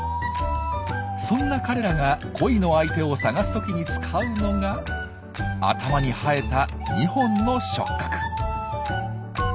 そんな彼らが恋の相手を探す時に使うのが頭に生えた２本の触角。